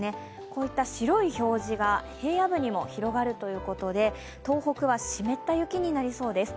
こういった白い表示が平野部にも広がるということで東北は湿った雪になりそうです。